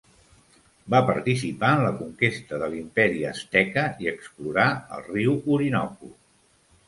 Va participar en la conquesta de l'Imperi asteca i explorà el riu Orinoco.